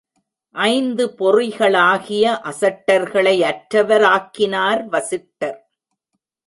ஐந்து பொறிகளாகிய அசட்டர்களை அற்றவர் ஆக்கினார் வசிட்டர்.